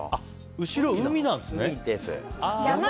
後ろが海なんですね。